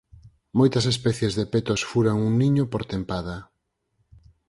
Moitas especies de petos furan un niño por tempada.